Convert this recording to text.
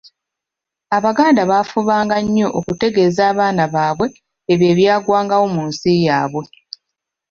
Abaganda baafubanga nnyo okutegeeza abaana baabwe ebyo ebyagwangawo mu nsi yaabwe.